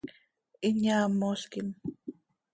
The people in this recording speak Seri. Hin yaamolquim.